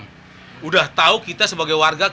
ternyata kita sebagai warga